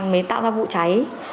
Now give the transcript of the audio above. mới tạo ra vụ cháy